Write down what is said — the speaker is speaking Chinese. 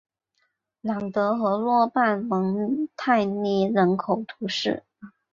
朗德洛河畔蒙泰涅人口变化图示